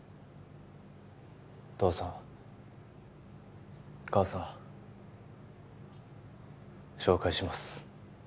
父さん母さん紹介します